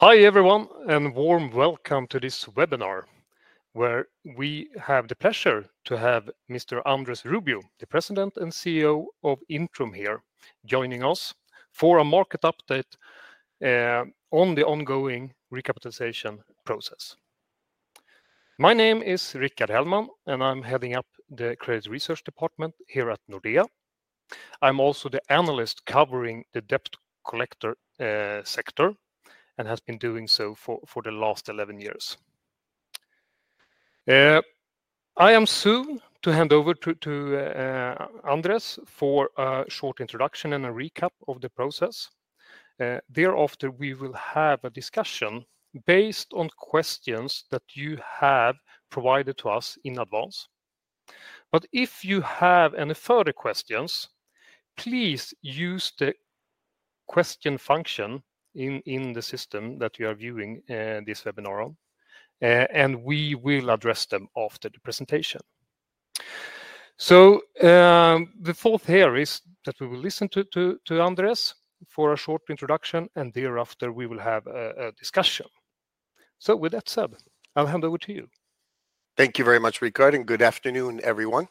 Hi everyone, and warm welcome to this webinar where we have the pleasure to have Mr. Andrés Rubio, the President and CEO of Intrum here, joining us for a market update on the ongoing recapitalization process. My name is Rickard Hellman, and I'm heading up the Credit Research Department here at Nordea. I'm also the analyst covering the debt collector sector and have been doing so for the last 11 years. I am soon to hand over to Andrés for a short introduction and a recap of the process. Thereafter, we will have a discussion based on questions that you have provided to us in advance. But if you have any further questions, please use the question function in the system that you are viewing this webinar on, and we will address them after the presentation. The thought here is that we will listen to Andrés for a short introduction, and thereafter we will have a discussion. With that said, I'll hand over to you. Thank you very much, Rickard, and good afternoon, everyone.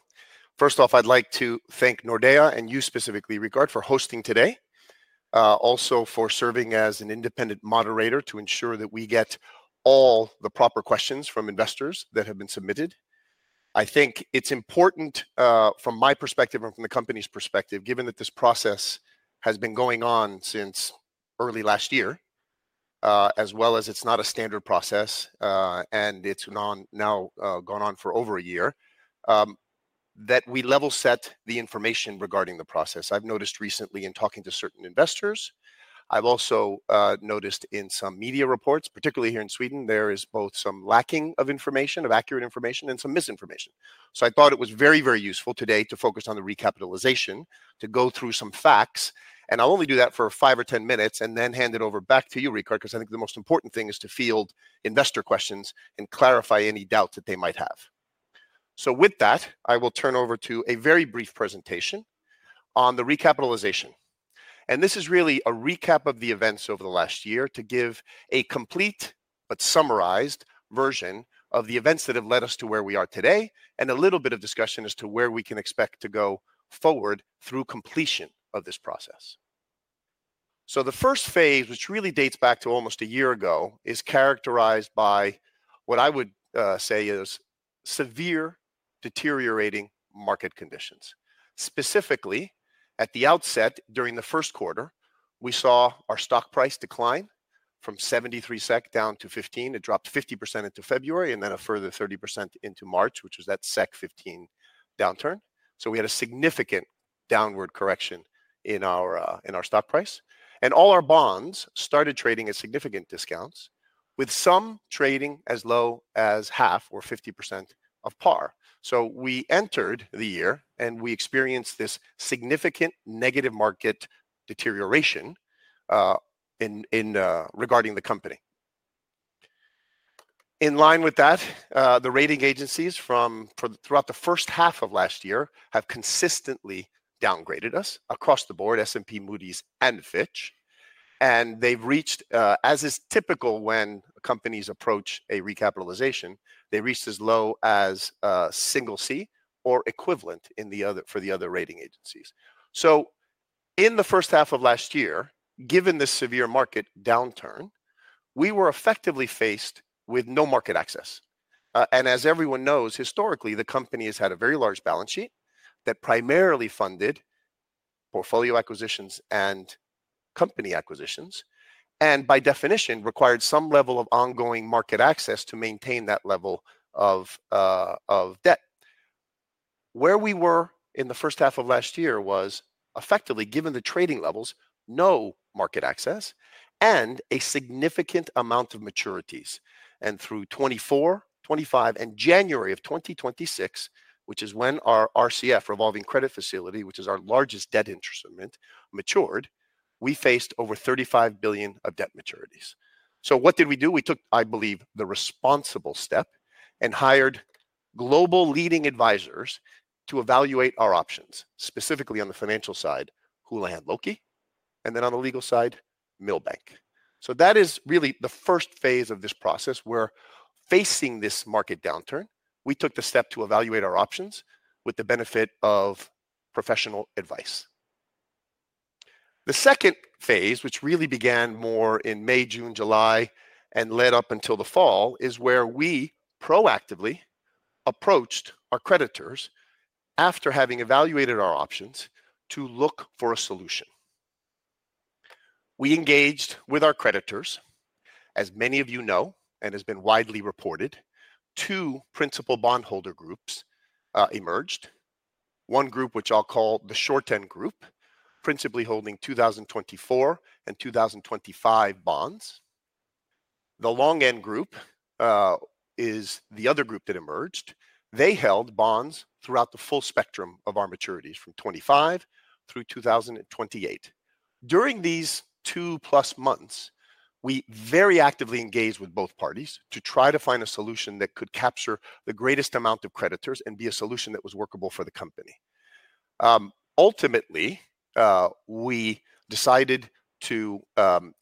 First off, I'd like to thank Nordea and you specifically, Rickard, for hosting today, also for serving as an independent moderator to ensure that we get all the proper questions from investors that have been submitted. I think it's important from my perspective and from the company's perspective, given that this process has been going on since early last year, as well as it's not a standard process and it's now gone on for over a year, that we level set the information regarding the process. I've noticed recently in talking to certain investors, I've also noticed in some media reports, particularly here in Sweden, there is both some lacking of information, of accurate information, and some misinformation. I thought it was very, very useful today to focus on the recapitalization, to go through some facts, and I'll only do that for 5 or 10 minutes and then hand it over back to you, Rickard, because I think the most important thing is to field investor questions and clarify any doubt that they might have. With that, I will turn over to a very brief presentation on the recapitalization. This is really a recap of the events over the last year to give a complete but summarized version of the events that have led us to where we are today and a little bit of discussion as to where we can expect to go forward through completion of this process. The first phase, which really dates back to almost a year ago, is characterized by what I would say is severe deteriorating market conditions. Specifically, at the outset during the first quarter, we saw our stock price decline from 73 SEK down to 15. It dropped 50% into February and then a further 30% into March, which was that 15 downturn. So we had a significant downward correction in our stock price, and all our bonds started trading at significant discounts, with some trading as low as half or 50% of par, so we entered the year and we experienced this significant negative market deterioration regarding the company. In line with that, the rating agencies throughout the first half of last year have consistently downgraded us across the board, S&P, Rickard, and Fitch, and they've reached, as is typical when companies approach a recapitalization, they reached as low as single C or equivalent for the other rating agencies. In the first half of last year, given the severe market downturn, we were effectively faced with no market access. And as everyone knows, historically, the company has had a very large balance sheet that primarily funded portfolio acquisitions and company acquisitions and by definition required some level of ongoing market access to maintain that level of debt. Where we were in the first half of last year was effectively, given the trading levels, no market access and a significant amount of maturities. And through 2024, 2025, and January of 2026, which is when our RCF, Revolving Credit Facility, which is our largest debt instrument, matured, we faced over 35 billion of debt maturities. So what did we do? We took, I believe, the responsible step and hired global leading advisors to evaluate our options, specifically on the financial side, Houlihan Lokey, and then on the legal side, Milbank. So that is really the first phase of this process where facing this market downturn, we took the step to evaluate our options with the benefit of professional advice. The second phase, which really began more in May, June, July, and led up until the fall, is where we proactively approached our creditors after having evaluated our options to look for a solution. We engaged with our creditors, as many of you know, and has been widely reported, two principal bondholder groups emerged. One group, which I'll call the short-end group, principally holding 2024 and 2025 bonds. The long-end group is the other group that emerged. They held bonds throughout the full spectrum of our maturities from 2025 through 2028. During these 2+ months, we very actively engaged with both parties to try to find a solution that could capture the greatest amount of creditors and be a solution that was workable for the company. Ultimately, we decided to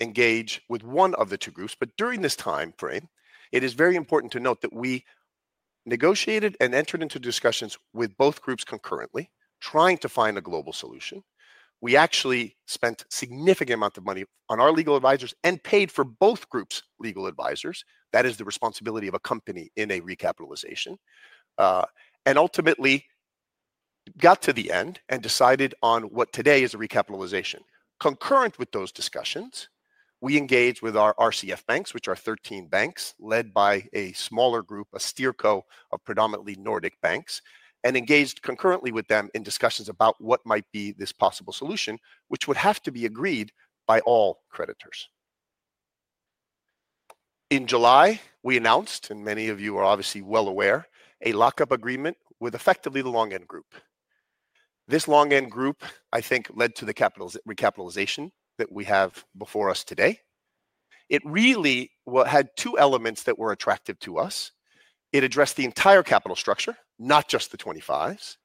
engage with one of the two groups, but during this time frame, it is very important to note that we negotiated and entered into discussions with both groups concurrently, trying to find a global solution. We actually spent a significant amount of money on our legal advisors and paid for both groups' legal advisors. That is the responsibility of a company in a recapitalization, and ultimately got to the end and decided on what today is a recapitalization. Concurrent with those discussions, we engaged with our RCF banks, which are 13 banks led by a smaller group, a SteerCo, of predominantly Nordic banks, and engaged concurrently with them in discussions about what might be this possible solution, which would have to be agreed by all creditors. In July, we announced, and many of you are obviously well aware, a Lock-up Agreement with effectively the Long-end Group. This Long-end Group, I think, led to the recapitalization that we have before us today. It really had two elements that were attractive to us. It addressed the entire capital structure, not just the 25s,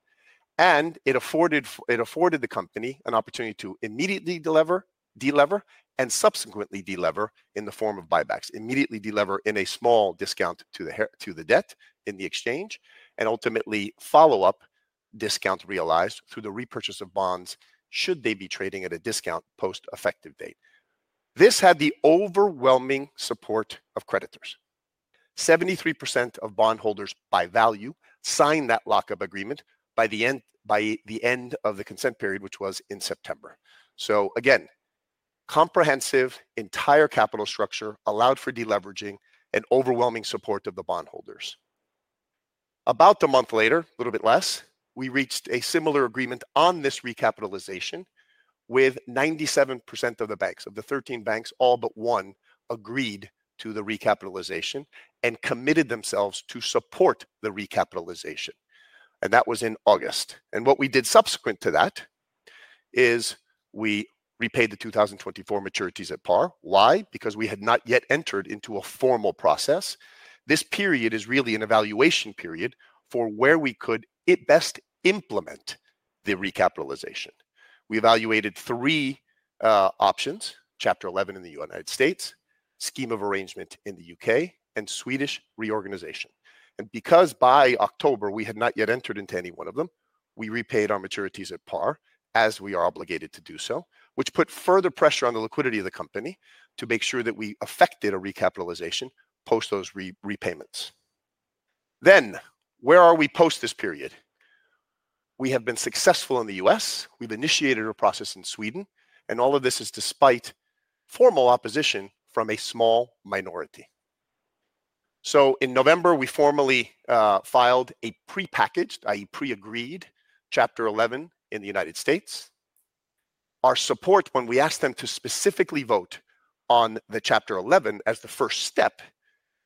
and it afforded the company an opportunity to immediately deliver, deliver, and subsequently deliver in the form of buybacks, immediately deliver in a small discount to the debt in the exchange, and ultimately follow-up discount realized through the repurchase of bonds should they be trading at a discount post-effective date. This had the overwhelming support of creditors. 73% of bondholders by value signed that lock-up agreement by the end of the consent period, which was in September, so again, comprehensive entire capital structure allowed for deleveraging and overwhelming support of the bondholders. About a month later, a little bit less, we reached a similar agreement on this recapitalization with 97% of the banks, of the 13 banks, all but one agreed to the recapitalization and committed themselves to support the recapitalization, and that was in August. And what we did subsequent to that is we repaid the 2024 maturities at par. Why? Because we had not yet entered into a formal process. This period is really an evaluation period for where we could best implement the recapitalization. We evaluated three options: Chapter 11 in the United States, scheme of arrangement in the U.K., and Swedish reorganization. And because by October, we had not yet entered into any one of them, we repaid our maturities at par as we are obligated to do so, which put further pressure on the liquidity of the company to make sure that we affected a recapitalization post those repayments. Then, where are we post this period? We have been successful in the U.S. We've initiated a process in Sweden, and all of this is despite formal opposition from a small minority. In November, we formally filed a pre-packaged, i.e., pre-agreed Chapter 11 in the United States. Our support, when we asked them to specifically vote on the Chapter 11 as the first step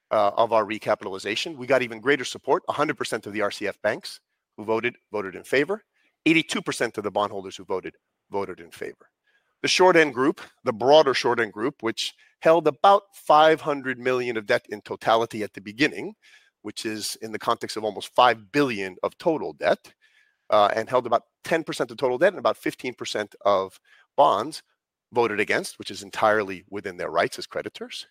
of our recapitalization, we got even greater support. 100% of the RCF banks who voted voted in favor. 82% of the bondholders who voted voted in favor. The short-end group, the broader short-end group, which held about 500 million of debt in totality at the beginning, which is in the context of almost 5 billion of total debt and held about 10% of total debt and about 15% of bonds voted against, which is entirely within their rights as creditors.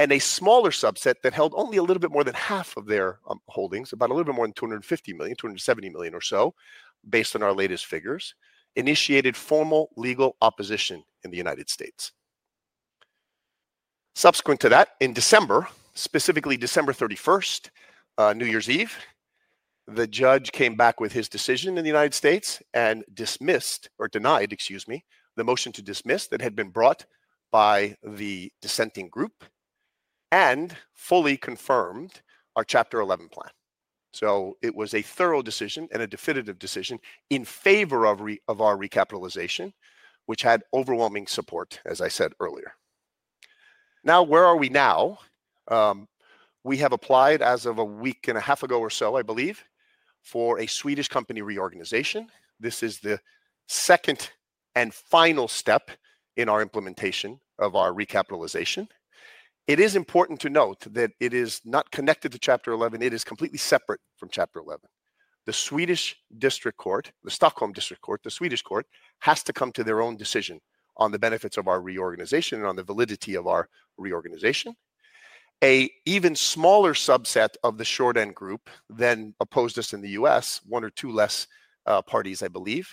A smaller subset that held only a little bit more than half of their holdings, about a little bit more than 250 million, 270 million or so, based on our latest figures, initiated formal legal opposition in the United States. Subsequent to that, in December, specifically December 31st, New Year's Eve, the judge came back with his decision in the United States and dismissed or denied, excuse me, the motion to dismiss that had been brought by the dissenting group and fully confirmed our Chapter 11 plan. So it was a thorough decision and a definitive decision in favor of our recapitalization, which had overwhelming support, as I said earlier. Now, where are we now? We have applied as of a week and a half ago or so, I believe, for a Swedish Company Reorganization. This is the second and final step in our implementation of our recapitalization. It is important to note that it is not connected to Chapter 11. It is completely separate from Chapter 11. The Swedish district court, the Stockholm District Court, the Swedish court has to come to their own decision on the benefits of our reorganization and on the validity of our reorganization. An even smaller subset of the short-end group than opposed us in the U.S., one or two less parties, I believe,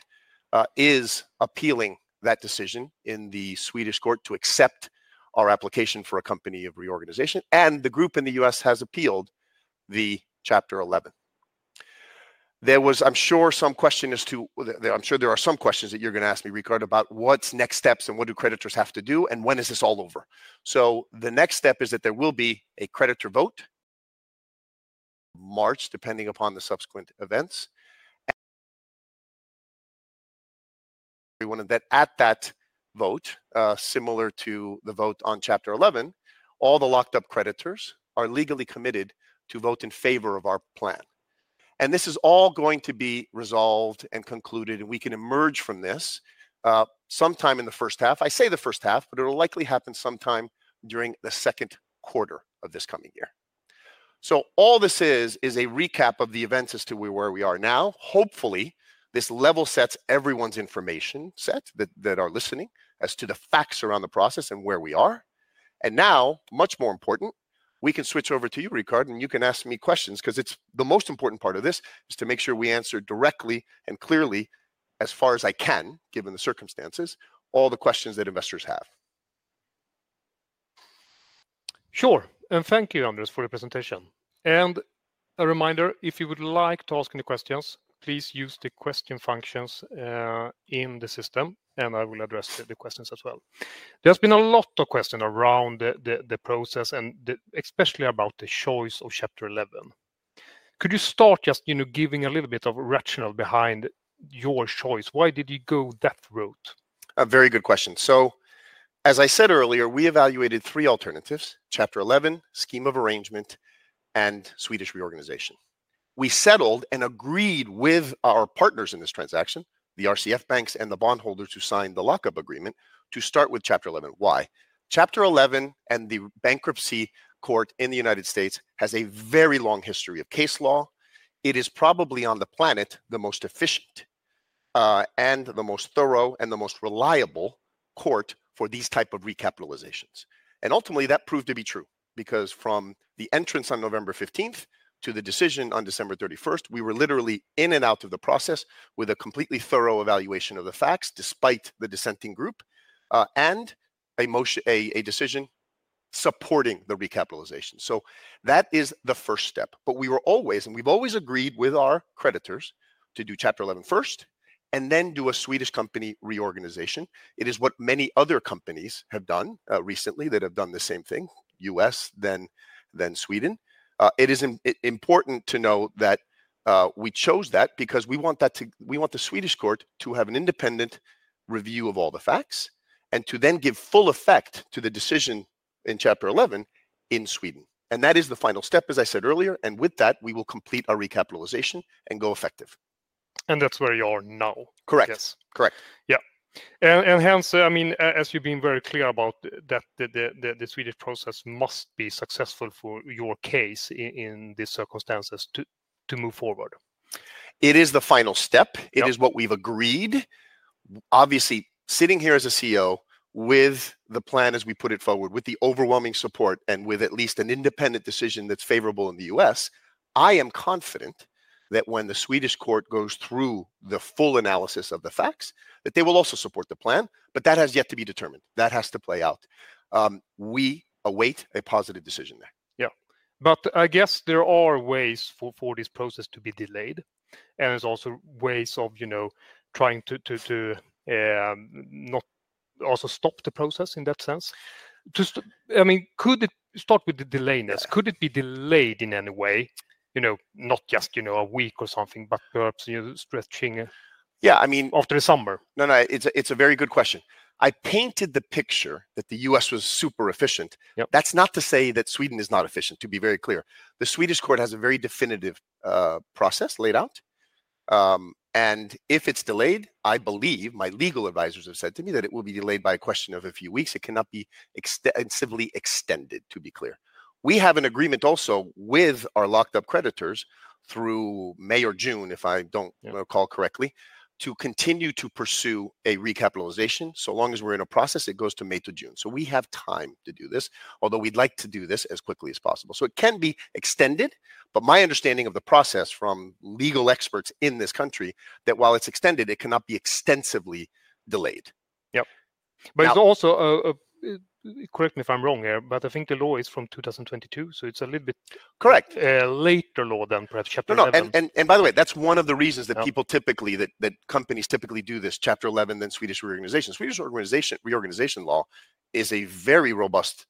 is appealing that decision in the Swedish court to accept our application for a company reorganization. And the group in the U.S. has appealed the Chapter 11. There was, I'm sure, some question as to, I'm sure there are some questions that you're going to ask me, Rickard, about what's next steps and what do creditors have to do and when is this all over. So the next step is that there will be a creditor vote in March, depending upon the subsequent events. And at that vote, similar to the vote on Chapter 11, all the locked-up creditors are legally committed to vote in favor of our plan. And this is all going to be resolved and concluded, and we can emerge from this sometime in the first half. I say the first half, but it'll likely happen sometime during the second quarter of this coming year. So all this is, is a recap of the events as to where we are now. Hopefully, this level sets everyone's information set that are listening as to the facts around the process and where we are. And now, much more important, we can switch over to you, Rickard, and you can ask me questions because it's the most important part of this is to make sure we answer directly and clearly, as far as I can, given the circumstances, all the questions that investors have. Sure. And thank you, Andrés, for the presentation. And a reminder, if you would like to ask any questions, please use the question functions in the system, and I will address the questions as well. There's been a lot of questions around the process and especially about the choice of Chapter 11. Could you start just giving a little bit of rationale behind your choice? Why did you go that route? A very good question. So, as I said earlier, we evaluated three alternatives: Chapter 11, scheme of arrangement, and Swedish reorganization. We settled and agreed with our partners in this transaction, the RCF banks and the bondholders who signed the lock-up agreement, to start with Chapter 11. Why? Chapter 11 and the bankruptcy court in the United States has a very long history of case law. It is probably on the planet the most efficient and the most thorough and the most reliable court for these types of recapitalizations. And ultimately, that proved to be true because from the entrance on November 15th to the decision on December 31st, we were literally in and out of the process with a completely thorough evaluation of the facts despite the dissenting group and a decision supporting the recapitalization. So that is the first step. But we were always, and we've always agreed with our creditors to do Chapter 11 first and then do a Swedish company reorganization. It is what many other companies have done recently that have done the same thing, U.S., then Sweden. It is important to know that we chose that because we want the Swedish court to have an independent review of all the facts and to then give full effect to the decision in Chapter 11 in Sweden, and that is the final step, as I said earlier. And with that, we will complete our recapitalization and go effective. And that's where you are now. Correct. Yes. Correct. Yeah. And hence, I mean, as you've been very clear about that the Swedish process must be successful for your case in these circumstances to move forward. It is the final step. It is what we've agreed. Obviously, sitting here as a CEO with the plan as we put it forward, with the overwhelming support and with at least an independent decision that's favorable in the U.S., I am confident that when the Swedish court goes through the full analysis of the facts, that they will also support the plan, but that has yet to be determined. That has to play out. We await a positive decision there. Yeah. But I guess there are ways for this process to be delayed, and there's also ways of trying to not also stop the process in that sense. I mean, could it start with the delays? Could it be delayed in any way, not just a week or something, but perhaps stretching after the summer? No, no. It's a very good question. I painted the picture that the U.S. was super efficient. That's not to say that Sweden is not efficient, to be very clear. The Swedish court has a very definitive process laid out, and if it's delayed, I believe my legal advisors have said to me that it will be delayed by a question of a few weeks. It cannot be extensively extended, to be clear. We have an agreement also with our locked-up creditors through May or June, if I don't recall correctly, to continue to pursue a recapitalization. So long as we're in a process, it goes to May to June. So we have time to do this, although we'd like to do this as quickly as possible. So it can be extended, but my understanding of the process from legal experts in this country is that while it's extended, it cannot be extensively delayed. Yep. But it's also, correct me if I'm wrong here, but I think the law is from 2022, so it's a little bit later law than perhaps Chapter 11. And by the way, that's one of the reasons that people typically, that companies typically do this Chapter 11, then Swedish reorganization. Swedish reorganization law is a very robust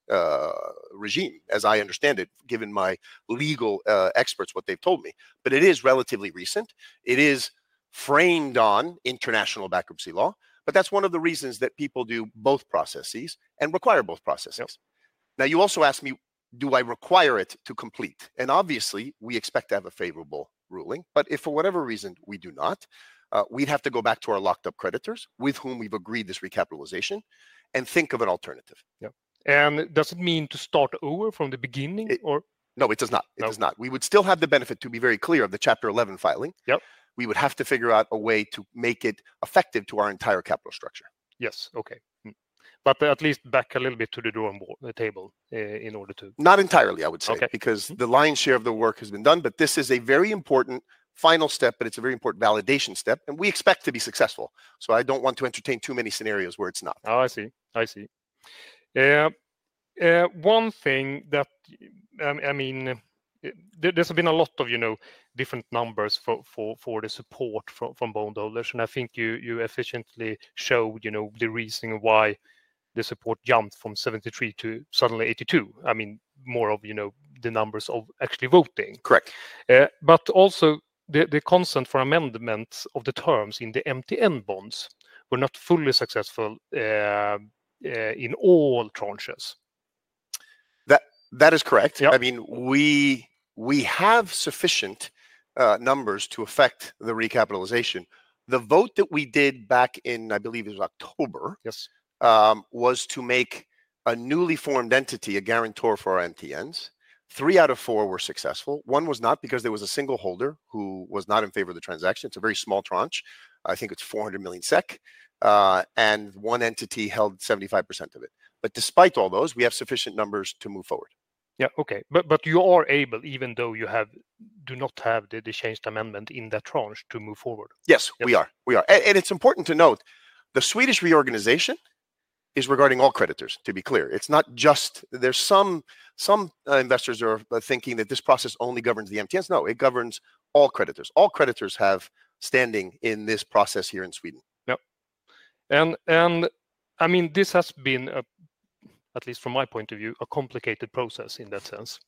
regime, as I understand it, given my legal experts, what they've told me. But it is relatively recent. It is framed on international bankruptcy law, but that's one of the reasons that people do both processes and require both processes. Now, you also asked me, do I require it to complete? And obviously, we expect to have a favorable ruling, but if for whatever reason we do not, we'd have to go back to our lock-up creditors with whom we've agreed this recapitalization and think of an alternative. And does it mean to start over from the beginning or? No, it does not. It does not. We would still have the benefit, to be very clear, of the Chapter 11 filing. We would have to figure out a way to make it effective to our entire capital structure. Yes. Okay. But at least back a little bit to the drawing table in order to. Not entirely, I would say, because the lion's share of the work has been done, but this is a very important final step, but it's a very important validation step, and we expect to be successful. So I don't want to entertain too many scenarios where it's not. Oh, I see. I see. One thing that, I mean, there's been a lot of different numbers for the support from bondholders, and I think you efficiently showed the reasoning of why the support jumped from 73 to suddenly 82. I mean, more of the numbers of actually voting. Correct. But also the consent for amendments of the terms in the MTN bonds were not fully successful in all tranches. That is correct. I mean, we have sufficient numbers to affect the recapitalization. The vote that we did back in, I believe it was October, was to make a newly formed entity, a guarantor for our MTNs. Three out of four were successful. One was not because there was a single holder who was not in favor of the transaction. It's a very small tranche. I think it's 400 million SEK. And one entity held 75% of it. But despite all those, we have sufficient numbers to move forward. Yeah. Okay. But you are able, even though you do not have the changed amendment in that tranche, to move forward. Yes, we are. We are. And it's important to note, the Swedish reorganization is regarding all creditors, to be clear. It's not just there's some investors who are thinking that this process only governs the MTNs. No, it governs all creditors. All creditors have standing in this process here in Sweden. Yep. And I mean, this has been, at least from my point of view, a complicated process in that sense.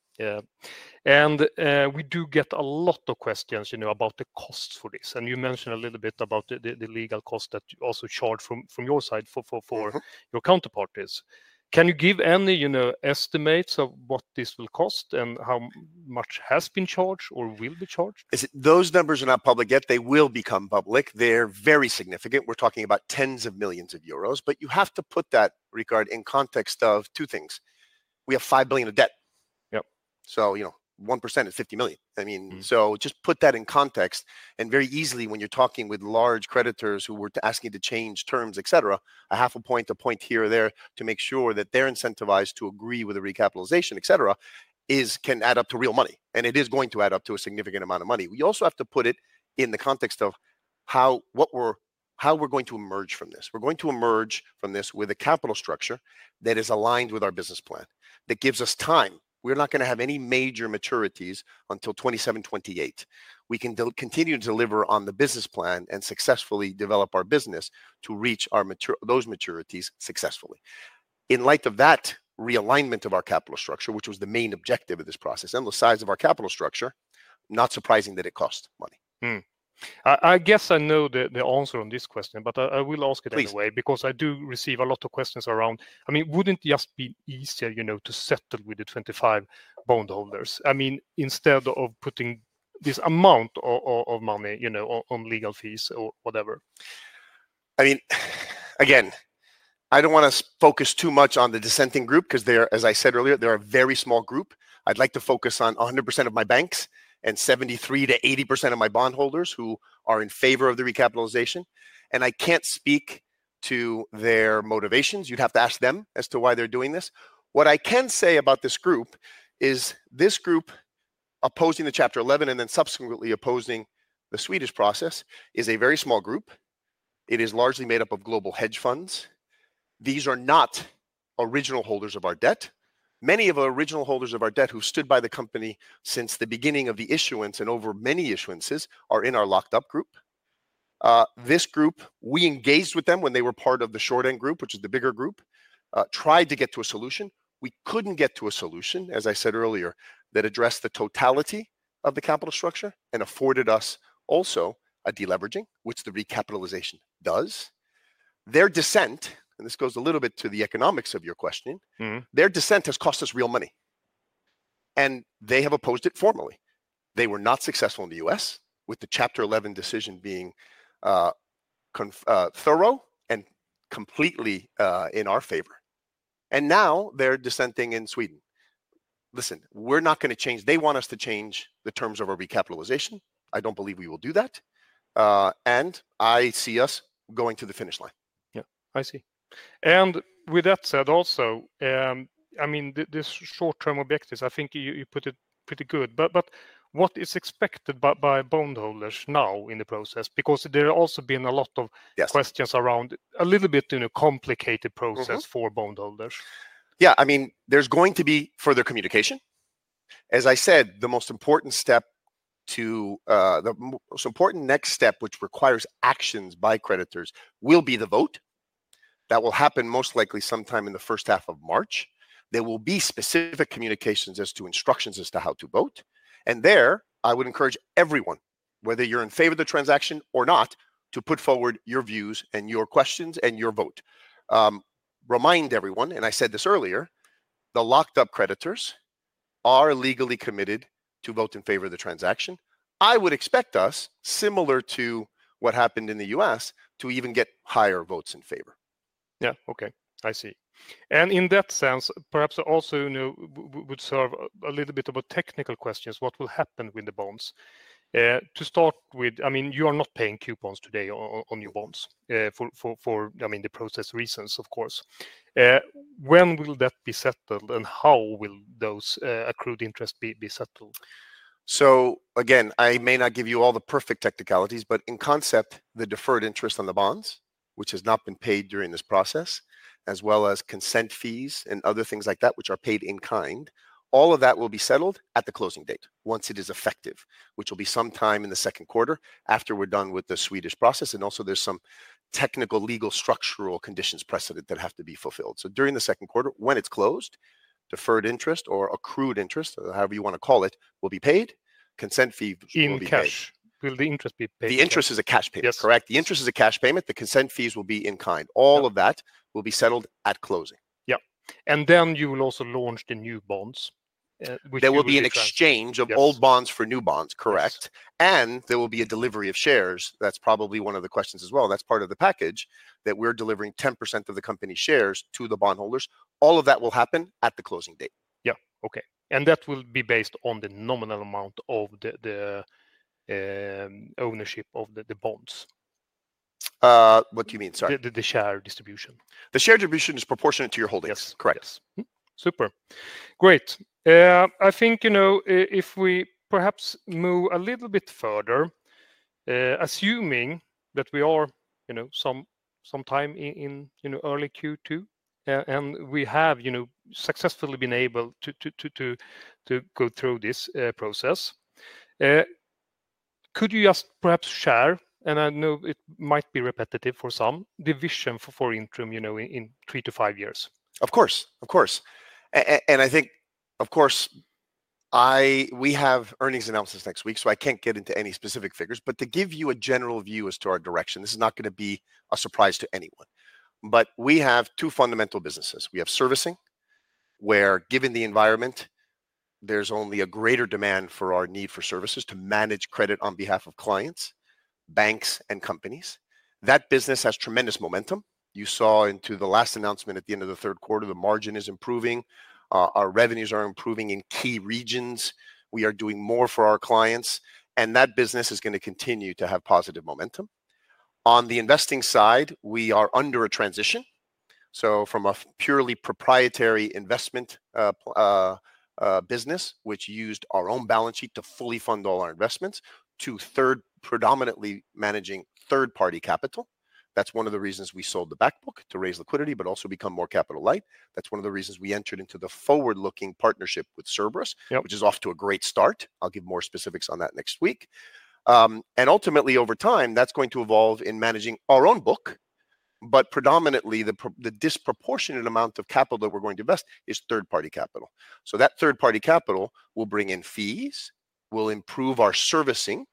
And we do get a lot of questions about the costs for this. And you mentioned a little bit about the legal costs that you also charge from your side for your counterparties. Can you give any estimates of what this will cost and how much has been charged or will be charged? Those numbers are not public yet. They will become public. They're very significant. We're talking about tens of millions of EUR. But you have to put that, Rickard, in context of two things. We have 5 billion of debt. Yep. So 1% is 50 million. I mean, so just put that in context. And very easily, when you're talking with large creditors who were asking to change terms, etc., a half a point, a point here or there to make sure that they're incentivized to agree with the recapitalization, etc., can add up to real money. And it is going to add up to a significant amount of money. We also have to put it in the context of how we're going to emerge from this. We're going to emerge from this with a capital structure that is aligned with our business plan that gives us time. We're not going to have any major maturities until 2027-2028. We can continue to deliver on the business plan and successfully develop our business to reach those maturities successfully. In light of that realignment of our capital structure, which was the main objective of this process and the size of our capital structure, not surprising that it cost money. I guess I know the answer on this question, but I will ask it anyway because I do receive a lot of questions around, I mean, wouldn't it just be easier to settle with the 25 bondholders? I mean, instead of putting this amount of money on legal fees or whatever. I mean, again, I don't want to focus too much on the dissenting group because, as I said earlier, they're a very small group. I'd like to focus on 100% of my banks and 73%-80% of my bondholders who are in favor of the recapitalization. And I can't speak to their motivations. You'd have to ask them as to why they're doing this. What I can say about this group is this group opposing the Chapter 11 and then subsequently opposing the Swedish process is a very small group. It is largely made up of global hedge funds. These are not original holders of our debt. Many of the original holders of our debt who stood by the company since the beginning of the issuance and over many issuances are in our locked-up group. This group, we engaged with them when they were part of the Short-end Group, which is the bigger group, tried to get to a solution. We couldn't get to a solution, as I said earlier, that addressed the totality of the capital structure and afforded us also a deleveraging, which the recapitalization does. Their dissent, and this goes a little bit to the economics of your question, their dissent has cost us real money, and they have opposed it formally. They were not successful in the U.S., with the Chapter 11 decision being thorough and completely in our favor, and now they're dissenting in Sweden. Listen, we're not going to change. They want us to change the terms of our recapitalization. I don't believe we will do that, and I see us going to the finish line. Yeah, I see. And with that said also, I mean, this short-term objectives, I think you put it pretty good. But what is expected by bondholders now in the process? Because there have also been a lot of questions around a little bit of a complicated process for bondholders. Yeah, I mean, there's going to be further communication. As I said, the most important step, the most important next step, which requires actions by creditors, will be the vote. That will happen most likely sometime in the first half of March. There will be specific communications as to instructions as to how to vote. And there, I would encourage everyone, whether you're in favor of the transaction or not, to put forward your views and your questions and your vote. Remind everyone, and I said this earlier, the lock-up creditors are legally committed to vote in favor of the transaction. I would expect us, similar to what happened in the U.S., to even get higher votes in favor. Yeah. Okay. I see. And in that sense, perhaps also would serve a little bit of a technical question: what will happen with the bonds? To start with, I mean, you are not paying coupons today on your bonds for, I mean, the process reasons, of course. When will that be settled, and how will those accrued interests be settled? So again, I may not give you all the perfect technicalities, but in concept, the deferred interest on the bonds, which has not been paid during this process, as well as consent fees and other things like that, which are paid in kind, all of that will be settled at the closing date once it is effective, which will be sometime in the second quarter after we're done with the Swedish process. And also, there's some technical, legal, structural conditions precedent that have to be fulfilled. So during the second quarter, when it's closed, deferred interest or accrued interest, however you want to call it, will be paid. Consent fee will be paid. In cash, will the interest be paid? The interest is a cash payment. Correct. The interest is a cash payment. The consent fees will be in kind. All of that will be settled at closing. Yep. And then you will also launch the new bonds. There will be an exchange of old bonds for new bonds. Correct. And there will be a delivery of shares. That's probably one of the questions as well. That's part of the package that we're delivering 10% of the company's shares to the bondholders. All of that will happen at the closing date. Yeah. Okay. And that will be based on the nominal amount of the ownership of the bonds. What do you mean? Sorry. The share distribution. The share distribution is proportionate to your holdings. Correct. Super. Great. I think if we perhaps move a little bit further, assuming that we are sometime in early Q2 and we have successfully been able to go through this process, could you just perhaps share, and I know it might be repetitive for some, the vision for Intrum in three to five years? Of course. Of course. And I think, of course, we have earnings announcements next week, so I can't get into any specific figures. But to give you a general view as to our direction, this is not going to be a surprise to anyone. But we have two fundamental businesses. We have servicing, where given the environment, there's only a greater demand for our need for services to manage credit on behalf of clients, banks, and companies. That business has tremendous momentum. You saw into the last announcement at the end of the third quarter, the margin is improving. Our revenues are improving in key regions. We are doing more for our clients. And that business is going to continue to have positive momentum. On the investing side, we are under a transition. So from a purely proprietary investment business, which used our own balance sheet to fully fund all our investments, to predominantly managing third-party capital. That's one of the reasons we sold the backbook to raise liquidity, but also become more capital light. That's one of the reasons we entered into the forward-looking partnership with Cerberus, which is off to a great start. I'll give more specifics on that next week. And ultimately, over time, that's going to evolve in managing our own book. But predominantly, the disproportionate amount of capital that we're going to invest is third-party capital. So that third-party capital will bring in fees, will improve our servicing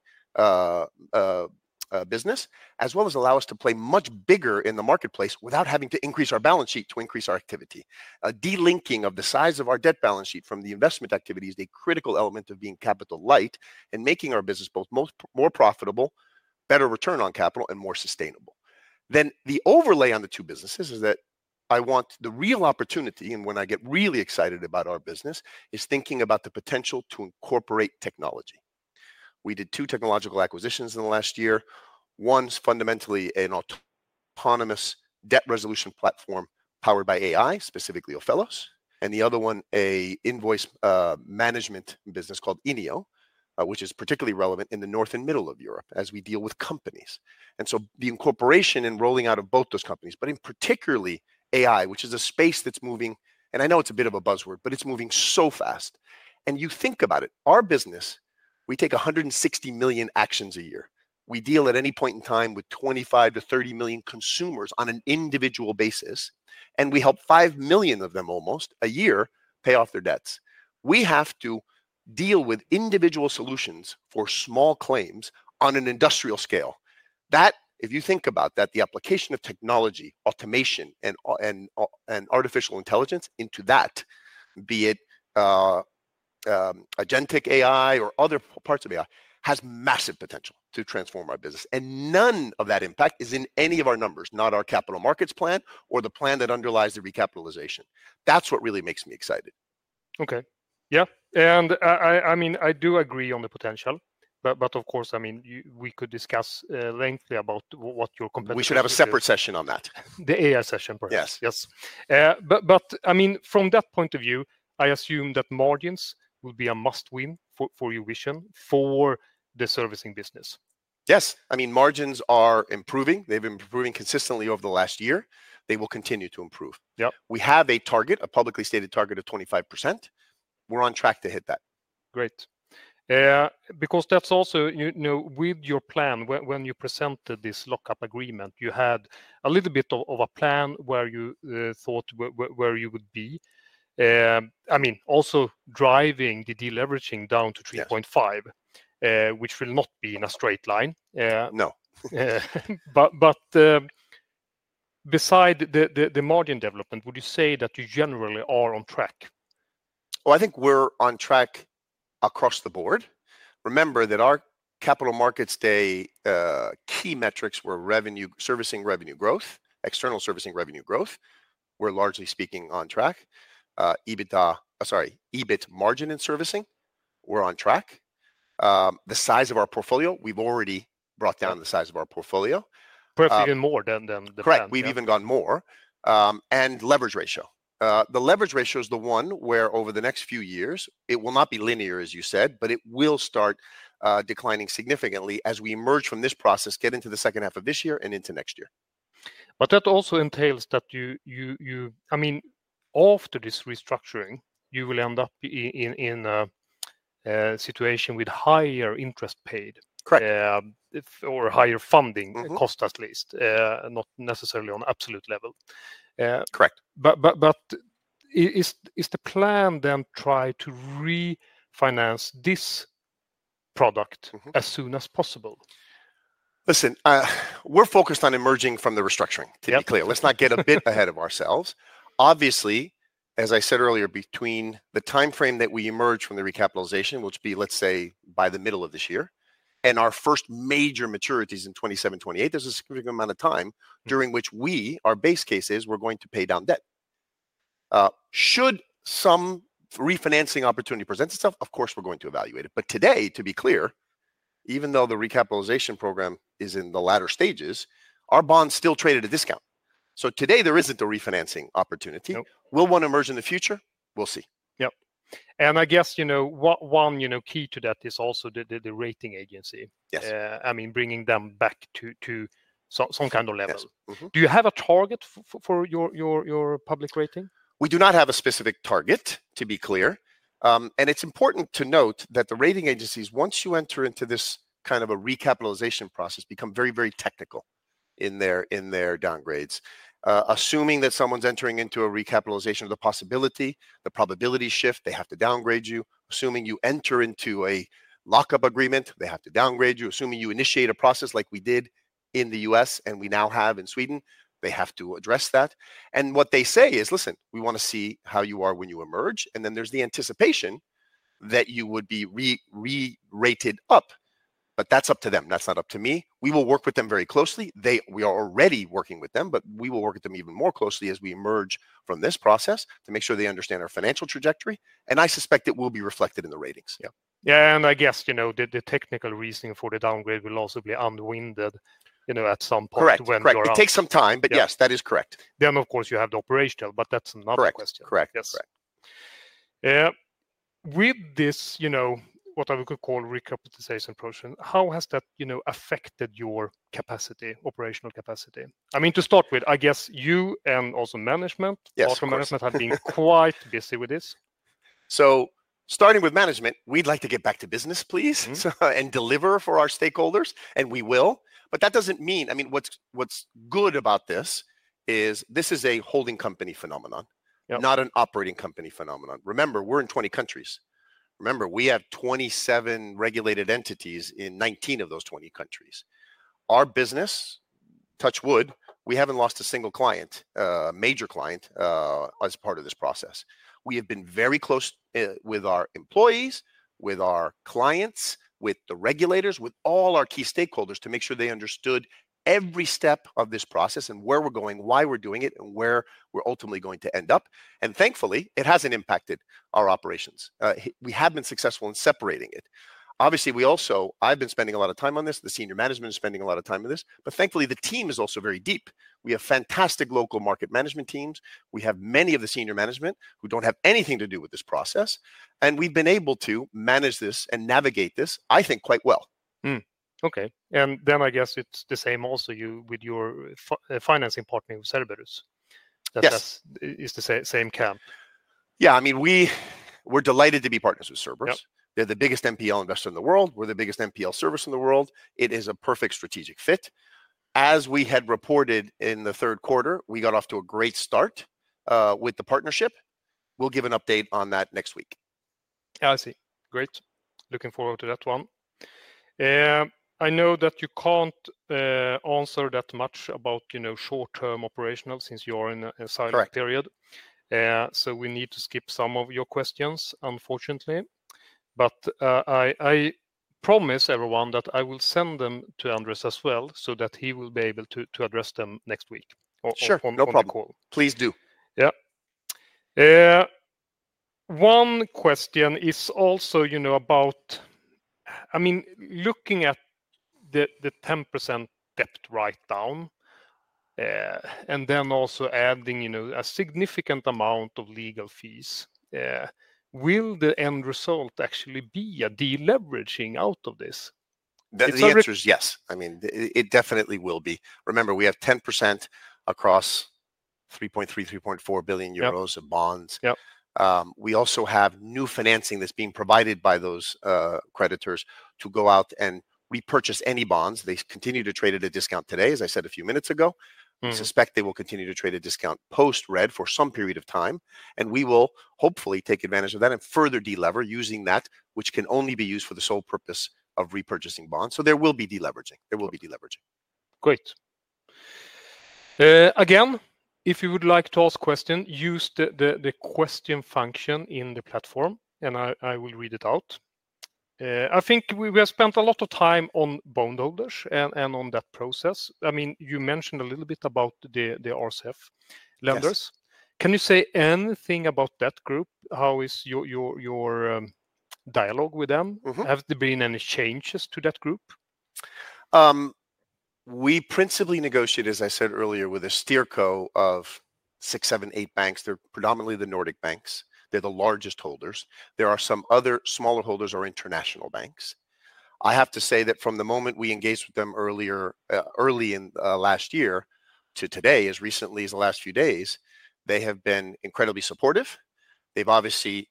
business, as well as allow us to play much bigger in the marketplace without having to increase our balance sheet to increase our activity. Delinking of the size of our debt balance sheet from the investment activity is a critical element of being capital light and making our business both more profitable, better return on capital, and more sustainable. Then the overlay on the two businesses is that I want the real opportunity, and when I get really excited about our business, is thinking about the potential to incorporate technology. We did two technological acquisitions in the last year. One's fundamentally an autonomous debt resolution platform powered by AI, specifically Rickard. The other one, an invoice management business called INIO, which is particularly relevant in the north and middle of Europe as we deal with companies. The incorporation and rolling out of both those companies, but in particularly AI, which is a space that's moving, and I know it's a bit of a buzzword, but it's moving so fast. You think about it, our business, we take 160 million actions a year. We deal at any point in time with 25-30 million consumers on an individual basis, and we help 5 million of them almost a year pay off their debts. We have to deal with individual solutions for small claims on an industrial scale. That, if you think about that, the application of technology, automation, and artificial intelligence into that, be it Agentic AI or other parts of AI, has massive potential to transform our business. And none of that impact is in any of our numbers, not our capital markets plan or the plan that underlies the recapitalization. That's what really makes me excited. Okay. Yeah. And I mean, I do agree on the potential, but of course, I mean, we could discuss at length about what your competition is. We should have a separate session on that. The AI session, perhaps. Yes. Yes. But I mean, from that point of view, I assume that margins will be a must-win for your vision for the servicing business. Yes. I mean, margins are improving. They've been improving consistently over the last year. They will continue to improve. We have a target, a publicly stated target of 25%. We're on track to hit that. Great. Because that's also with your plan. When you presented this lock-up agreement, you had a little bit of a plan where you thought where you would be. I mean, also driving the deleveraging down to 3.5, which will not be in a straight line. No. But besides the margin development, would you say that you generally are on track? Well, I think we're on track across the board. Remember that our capital markets day key metrics were servicing revenue growth, external servicing revenue growth. We're largely speaking on track. EBITDA, sorry, EBIT margin and servicing, we're on track. The size of our portfolio, we've already brought down the size of our portfolio. Perhaps even more than the current. Correct. We've even gone more. And leverage ratio. The leverage ratio is the one where over the next few years, it will not be linear, as you said, but it will start declining significantly as we emerge from this process, get into the second half of this year and into next year. But that also entails that you, I mean, after this restructuring, you will end up in a situation with higher interest paid or higher funding cost, at least, not necessarily on absolute level. Correct. But is the plan then try to refinance this product as soon as possible? Listen, we're focused on emerging from the restructuring, to be clear. Let's not get a bit ahead of ourselves. Obviously, as I said earlier, between the timeframe that we emerge from the recapitalization, which will be, let's say, by the middle of this year and our first major maturities in 2027, 2028, there's a significant amount of time during which we, our base cases, we're going to pay down debt. Should some refinancing opportunity present itself, of course, we're going to evaluate it. But today, to be clear, even though the recapitalization program is in the latter stages, our bonds still trade at a discount. So today, there isn't a refinancing opportunity. Will one emerge in the future? We'll see. Yep. And I guess one key to that is also the rating agency. I mean, bringing them back to some kind of level. Do you have a target for your public rating? We do not have a specific target, to be clear. And it's important to note that the rating agencies, once you enter into this kind of a recapitalization process, become very, very technical in their downgrades. Assuming that someone's entering into a recapitalization, the possibility, the probability shift, they have to downgrade you. Assuming you enter into a lock-up agreement, they have to downgrade you. Assuming you initiate a process like we did in the U.S. and we now have in Sweden, they have to address that. And what they say is, "Listen, we want to see how you are when you emerge." And then there's the anticipation that you would be re-rated up. But that's up to them. That's not up to me. We will work with them very closely. We are already working with them, but we will work with them even more closely as we emerge from this process to make sure they understand our financial trajectory. And I suspect it will be reflected in the ratings. Yeah. And I guess the technical reasoning for the downgrade will also be unwound at some point when we arrive. Correct. It takes some time, but yes, that is correct. Then, of course, you have the operational, but that's another question. Correct. Correct. Correct. With this, what I would call recapitalization approach, how has that affected your capacity, operational capacity? I mean, to start with, I guess you and also management, also management have been quite busy with this. So starting with management, we'd like to get back to business, please, and deliver for our stakeholders. And we will. But that doesn't mean, I mean, what's good about this is this is a holding company phenomenon, not an operating company phenomenon. Remember, we're in 20 countries. Remember, we have 27 regulated entities in 19 of those 20 countries. Our business, touch wood, we haven't lost a single client, a major client, as part of this process. We have been very close with our employees, with our clients, with the regulators, with all our key stakeholders to make sure they understood every step of this process and where we're going, why we're doing it, and where we're ultimately going to end up, and thankfully, it hasn't impacted our operations. We have been successful in separating it. Obviously, we also, I've been spending a lot of time on this. The senior management is spending a lot of time on this, but thankfully, the team is also very deep. We have fantastic local market management teams. We have many of the senior management who don't have anything to do with this process, and we've been able to manage this and navigate this, I think, quite well. Okay. And then I guess it's the same also with your financing partner, Cerberus. That is the same camp. Yeah. I mean, we're delighted to be partners with Cerberus. They're the biggest NPL investor in the world. We're the biggest NPL service in the world. It is a perfect strategic fit. As we had reported in the third quarter, we got off to a great start with the partnership. We'll give an update on that next week. I see. Great. Looking forward to that one. I know that you can't answer that much about short-term operational since you are in a silent period. So we need to skip some of your questions, unfortunately. But I promise everyone that I will send them to Andrés as well so that he will be able to address them next week or on the phone call. Sure. No problem. Please do. Yeah. One question is also about, I mean, looking at the 10% debt write-down and then also adding a significant amount of legal fees, will the end result actually be a deleveraging out of this? That's the answer is yes. I mean, it definitely will be. Remember, we have 10% across 3.3-3.4 billion euros of bonds. We also have new financing that's being provided by those creditors to go out and repurchase any bonds. They continue to trade at a discount today, as I said a few minutes ago. I suspect they will continue to trade at a discount post-Red for some period of time. And we will hopefully take advantage of that and further delever using that, which can only be used for the sole purpose of repurchasing bonds. So there will be deleveraging. There will be deleveraging. Great. Again, if you would like to ask a question, use the question function in the platform, and I will read it out. I think we have spent a lot of time on bondholders and on that process. I mean, you mentioned a little bit about the RCF lenders. Can you say anything about that group? How is your dialogue with them? Have there been any changes to that group? We principally negotiate, as I said earlier, with a SteerCo of six, seven, eight banks. They're predominantly the Nordic banks. They're the largest holders. There are some other smaller holders or international banks. I have to say that from the moment we engaged with them early in last year to today, as recently as the last few days, they have been incredibly supportive. They've obviously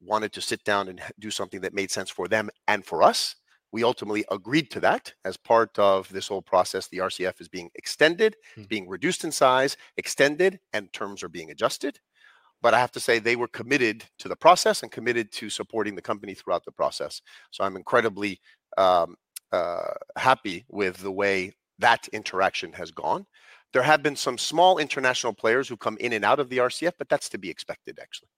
wanted to sit down and do something that made sense for them and for us. We ultimately agreed to that. As part of this whole process, the RCF is being extended, being reduced in size, extended, and terms are being adjusted. But I have to say they were committed to the process and committed to supporting the company throughout the process. So I'm incredibly happy with the way that interaction has gone. There have been some small international players who come in and out of the RCF, but that's to be expected, actually.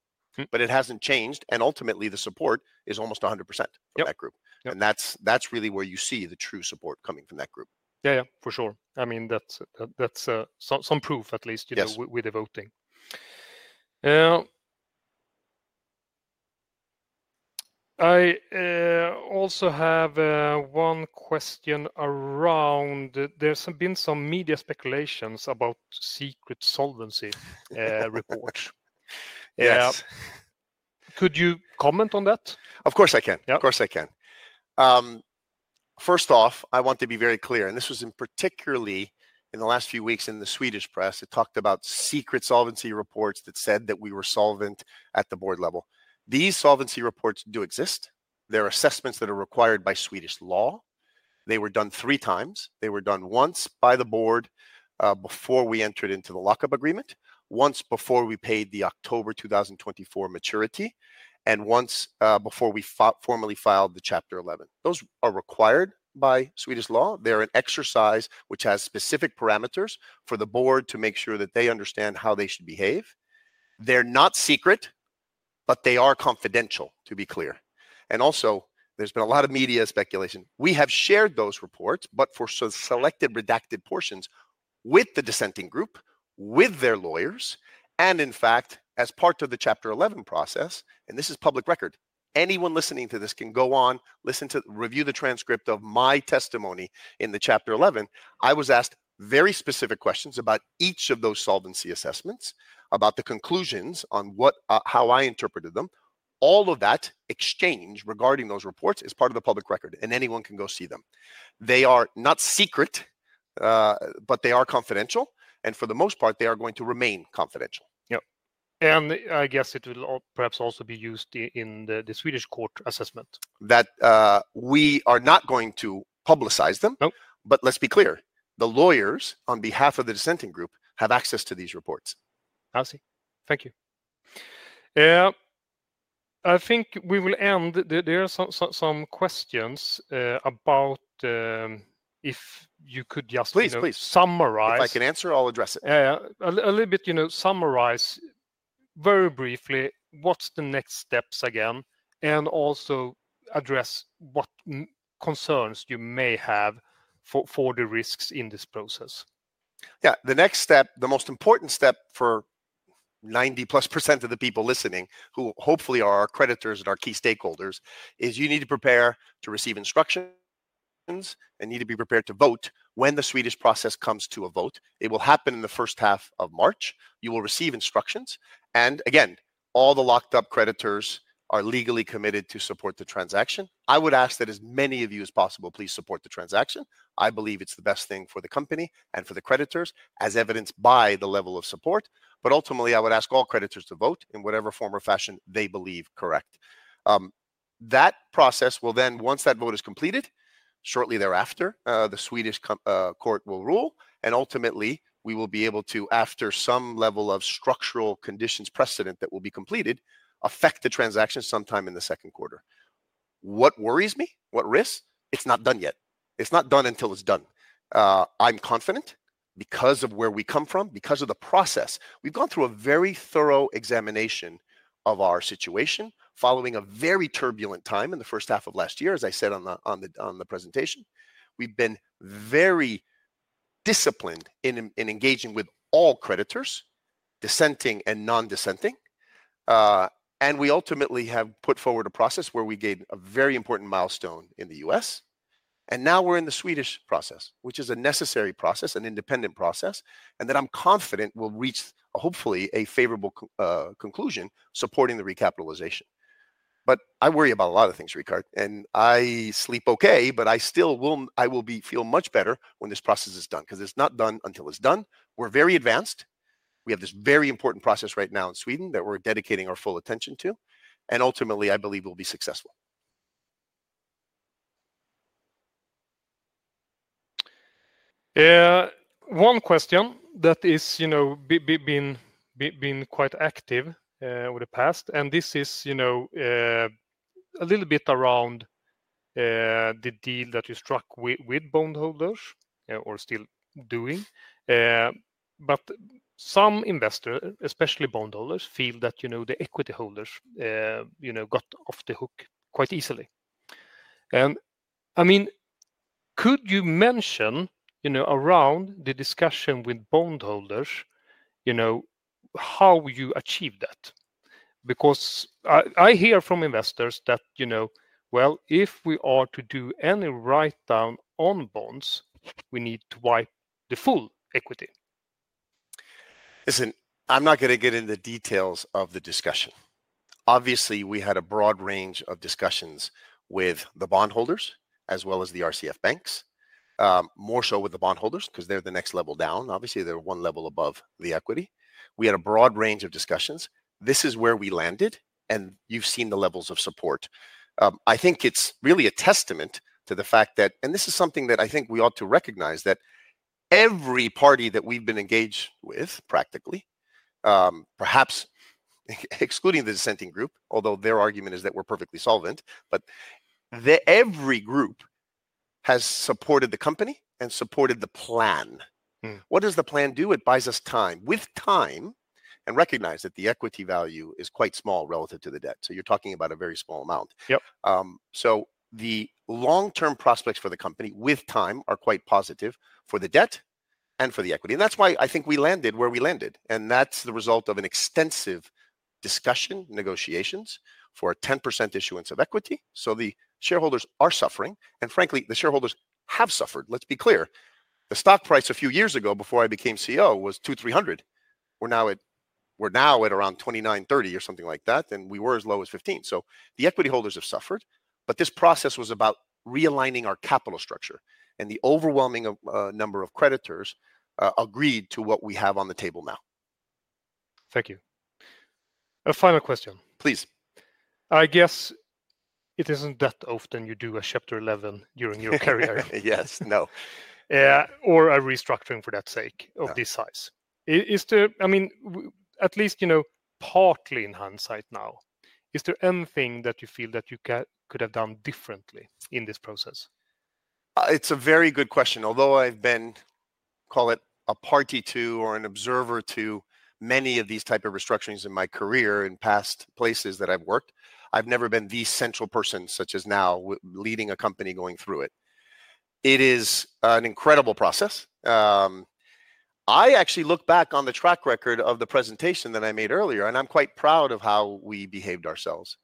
But it hasn't changed. And ultimately, the support is almost 100% for that group. And that's really where you see the true support coming from that group. Yeah, yeah, for sure. I mean, that's some proof, at least, with the voting. I also have one question around. There's been some media speculations about secret solvency reports. Could you comment on that? Of course I can. Of course I can. First off, I want to be very clear. And this was particularly in the last few weeks in the Swedish press. It talked about secret solvency reports that said that we were solvent at the board level. These solvency reports do exist. They're assessments that are required by Swedish law. They were done three times. They were done once by the board before we entered into the lockup agreement, once before we paid the October 2024 maturity, and once before we formally filed the Chapter 11. Those are required by Swedish law. They're an exercise which has specific parameters for the board to make sure that they understand how they should behave. They're not secret, but they are confidential, to be clear. And also, there's been a lot of media speculation. We have shared those reports, but for selected redacted portions with the dissenting group, with their lawyers, and in fact, as part of the Chapter 11 process, and this is public record. Anyone listening to this can go on, listen to, review the transcript of my testimony in the Chapter 11. I was asked very specific questions about each of those solvency assessments, about the conclusions on how I interpreted them. All of that exchange regarding those reports is part of the public record, and anyone can go see them. They are not secret, but they are confidential. And for the most part, they are going to remain confidential. Yeah. And I guess it will perhaps also be used in the Swedish court assessment. That we are not going to publicize them. But let's be clear. The lawyers on behalf of the dissenting group have access to these reports. I see. Thank you. I think we will end. There are some questions about if you could just summarize. Please, please. If I can answer, I'll address it. Yeah. A little bit summarize very briefly what's the next steps again, and also address what concerns you may have for the risks in this process. Yeah. The next step, the most important step for 90+% of the people listening who hopefully are our creditors and our key stakeholders, is you need to prepare to receive instructions and need to be prepared to vote when the Swedish process comes to a vote. It will happen in the first half of March. You will receive instructions, and again, all the locked-up creditors are legally committed to support the transaction. I would ask that as many of you as possible please support the transaction. I believe it's the best thing for the company and for the creditors as evidenced by the level of support. But ultimately, I would ask all creditors to vote in whatever form or fashion they believe correct. That process will then, once that vote is completed, shortly thereafter, the Swedish court will rule. And ultimately, we will be able to, after some level of structural conditions precedent that will be completed, affect the transaction sometime in the second quarter. What worries me, what risks, it's not done yet. It's not done until it's done. I'm confident because of where we come from, because of the process. We've gone through a very thorough examination of our situation following a very turbulent time in the first half of last year, as I said on the presentation. We've been very disciplined in engaging with all creditors, dissenting and non-dissenting. And we ultimately have put forward a process where we gained a very important milestone in the U.S. And now we're in the Swedish process, which is a necessary process, an independent process, and that I'm confident will reach, hopefully, a favorable conclusion supporting the recapitalization. But I worry about a lot of things, Rickard. And I sleep okay, but I still will feel much better when this process is done because it's not done until it's done. We're very advanced. We have this very important process right now in Sweden that we're dedicating our full attention to. And ultimately, I believe we'll be successful. One question that has been quite active over the past, and this is a little bit around the deal that you struck with bondholders or still doing. But some investors, especially bondholders, feel that the equity holders got off the hook quite easily. And I mean, could you mention around the discussion with bondholders how you achieved that? Because I hear from investors that, well, if we are to do any write-down on bonds, we need to wipe the full equity. Listen, I'm not going to get into the details of the discussion. Obviously, we had a broad range of discussions with the bondholders as well as the RCF banks, more so with the bondholders because they're the next level down. Obviously, they're one level above the equity. We had a broad range of discussions. This is where we landed, and you've seen the levels of support. I think it's really a testament to the fact that, and this is something that I think we ought to recognize, that every party that we've been engaged with practically, perhaps excluding the dissenting group, although their argument is that we're perfectly solvent, but every group has supported the company and supported the plan. What does the plan do? It buys us time. With time, and recognize that the equity value is quite small relative to the debt. So you're talking about a very small amount. So the long-term prospects for the company with time are quite positive for the debt and for the equity. And that's why I think we landed where we landed. And that's the result of an extensive discussion, negotiations for a 10% issuance of equity. So the shareholders are suffering. And frankly, the shareholders have suffered. Let's be clear. The stock price a few years ago before I became CEO was 2,300. We're now at around 2,930 or something like that, and we were as low as 15. So the equity holders have suffered. But this process was about realigning our capital structure. The overwhelming number of creditors agreed to what we have on the table now. Thank you. A final question. Please. I guess it isn't that often you do a Chapter 11 during your career. Yes. No. Or a restructuring for the sake of this size. I mean, at least partly in hindsight now, is there anything that you feel that you could have done differently in this process? It's a very good question. Although I've been, call it a party to or an observer to many of these types of restructurings in my career in past places that I've worked, I've never been the central person such as now leading a company going through it. It is an incredible process. I actually look back on the track record of the presentation that I made earlier, and I'm quite proud of how we behaved ourselves.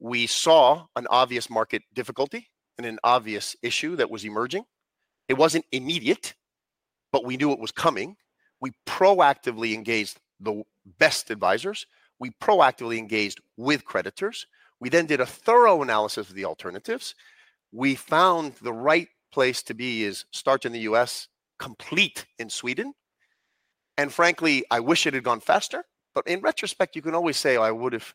We saw an obvious market difficulty and an obvious issue that was emerging. It wasn't immediate, but we knew it was coming. We proactively engaged the best advisors. We proactively engaged with creditors. We then did a thorough analysis of the alternatives. We found the right place to be is start in the U.S., complete in Sweden, and frankly, I wish it had gone faster. But in retrospect, you can always say, "I would have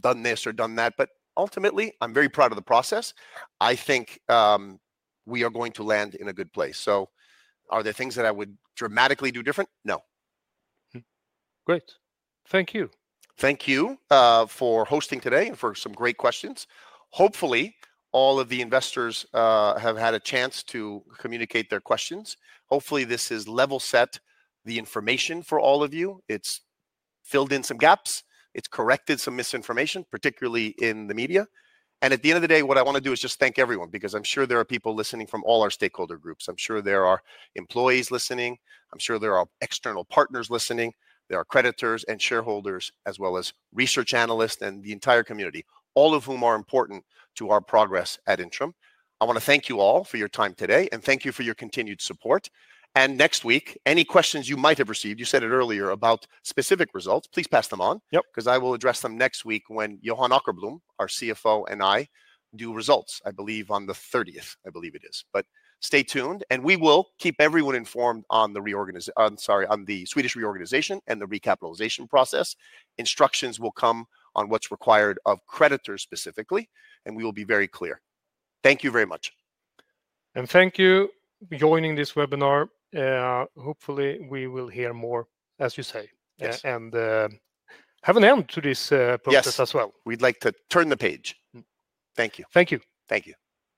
done this or done that." But ultimately, I'm very proud of the process. I think we are going to land in a good place. So are there things that I would dramatically do different? No. Great. Thank you. Thank you for hosting today and for some great questions. Hopefully, all of the investors have had a chance to communicate their questions. Hopefully, this has level set the information for all of you. It's filled in some gaps. It's corrected some misinformation, particularly in the media. And at the end of the day, what I want to do is just thank everyone because I'm sure there are people listening from all our stakeholder groups. I'm sure there are employees listening. I'm sure there are external partners listening. There are creditors and shareholders, as well as research analysts and the entire community, all of whom are important to our progress at Intrum. I want to thank you all for your time today, and thank you for your continued support. Next week, any questions you might have received, you said it earlier about specific results, please pass them on because I will address them next week when Johan Åkerblom, our CFO, and I do results, I believe, on the 30th, I believe it is. But stay tuned, and we will keep everyone informed on the reorganization, sorry, on the Swedish reorganization and the recapitalization process. Instructions will come on what's required of creditors specifically, and we will be very clear. Thank you very much. Thank you for joining this webinar. Hopefully, we will hear more, as you say, and have an end to this process as well. Yes. We'd like to turn the page. Thank you. Thank you. Thank you.